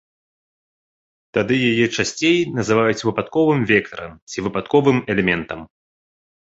Тады яе часцей называюць выпадковым вектарам ці выпадковым элементам.